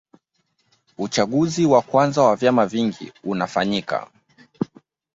Uchaguzi wa kwanza wa vyama vingi unafanyika